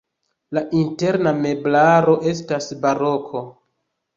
La interna meblaro estas baroko.